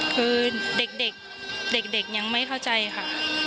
คือเด็กเด็กเด็กเด็กยังไม่เข้าใจค่ะ